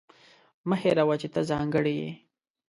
مه هېروه چې ته ځانګړې یې.